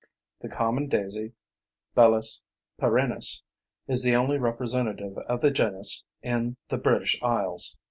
The common daisy, B. perennis, is the only representative of the genus in the British Isles.